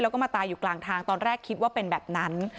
แล้วก็มาตายอยู่กลางทางตอนแรกคิดว่าเป็นแบบนั้น